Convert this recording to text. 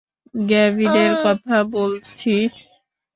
গ্যাভিনের কথা বলছিস?